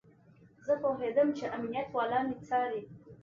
زه پوهېدم چې امنيت والا مې څاري.